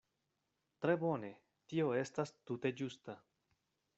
Tre bone; tio estas tute ĝusta.